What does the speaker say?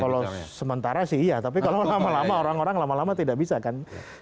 kalau sementara sih iya tapi kalau lama lama orang orang lama lama tidak bisa kan